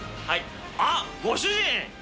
あっ、ご主人。